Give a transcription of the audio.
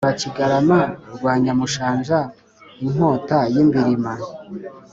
Rwakigarama rwa Nyamushanja inkota y’i Mbilima